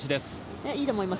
いいと思います。